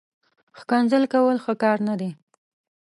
ښکنځل کول، ښه کار نه دئ